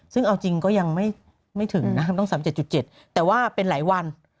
ซึ่งเอาจริงก็ยังไม่ถึงนะต้อง๓๗๗แต่ว่าเป็นหลายวัน